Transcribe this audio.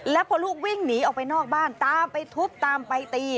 แล้วพอลูกวิ่งหนีออกไปนอกบ้านตามไปทุบตามไปตี